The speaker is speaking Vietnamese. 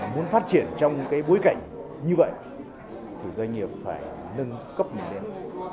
muốn phát triển trong bối cảnh như vậy thì doanh nghiệp phải nâng cấp mình lên